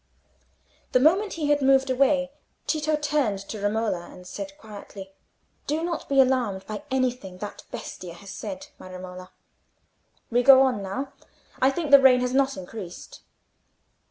The moment he had moved away, Tito turned to Romola, and said, quietly— "Do not be alarmed by anything that bestia has said, my Romola. We will go on now: I think the rain has not increased."